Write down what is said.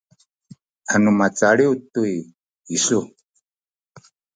anu macaliw tu isu